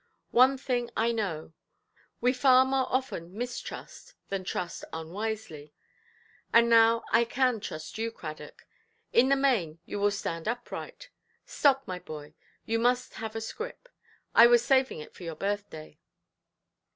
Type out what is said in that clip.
One thing I know, we far more often mistrust than trust unwisely. And now I can trust you, Cradock; in the main, you will stand upright. Stop, my boy; you must have a scrip; I was saving it for your birthday".